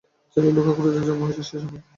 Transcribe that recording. ছেলে লুকা ক্রুজের জন্ম হয়েছে সে সময়।